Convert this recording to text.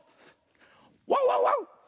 ワンワンワン！